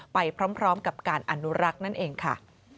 ไปพร้อมกับการอนุรักษ์นั่นเองค่ะ